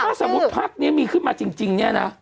ถ้าสมมุติพักนี้มีขึ้นมาจริงเนี่ยนะ